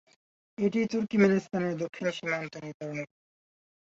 এটি তুর্কমেনিস্তানের দক্ষিণ সীমান্ত নির্ধারণ করে।